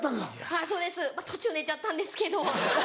はいそうです。まぁ途中寝ちゃったんですけど。